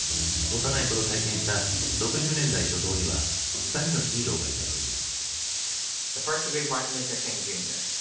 幼いころ体験した６０年代初頭には２人のヒーローがいたという。